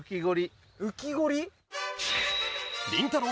［りんたろー。